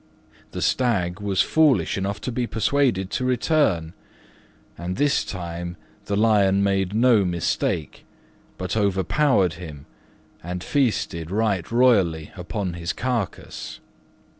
The Stag was foolish enough to be persuaded to return, and this time the Lion made no mistake, but overpowered him, and feasted right royally upon his carcase.